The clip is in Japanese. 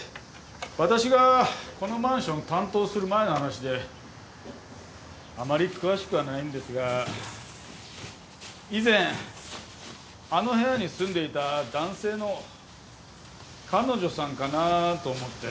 私がこのマンション担当する前の話であまり詳しくはないんですが以前あの部屋に住んでいた男性の彼女さんかなと思って。